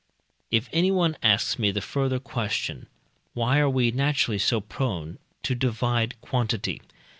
If anyone asks me the further question, Why are we naturally so prone to divide quantity?